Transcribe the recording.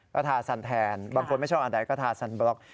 ก็ทาซันแทนบางคนไม่ชอบอันใดก็ทาซันบล็อก